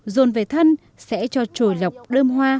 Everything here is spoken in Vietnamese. dồn về thân sẽ cho trồi lọc đơm hoa